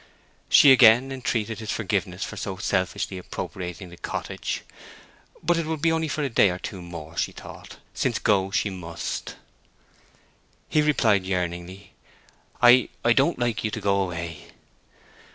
She again entreated his forgiveness for so selfishly appropriating the cottage. But it would only be for a day or two more, she thought, since go she must. He replied, yearningly, "I—I don't like you to go away."